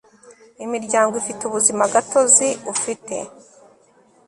imiryango ifite ubuzima gatozi ufite